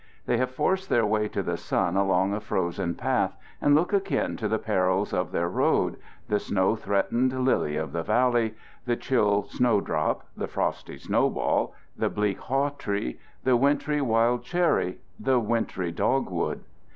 They have forced their way to the sun along a frozen path and look akin to the perils of their road: the snow threatened lily of the valley, the chill snowdrop, the frosty snowball, the bleak hawtree, the wintry wild cherry, the wintry dogwood.